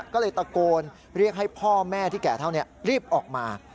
ก็เลยตะโกนเรียกให้พ่อแม่ที่แก่เท่านี้รีบออกมา